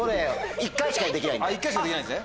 １回しかできないんですね。